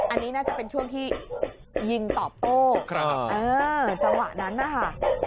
อันนี้น่าจะเป็นช่วงที่ยิงตอบโต้แต่จังหวะนั้นนะคะ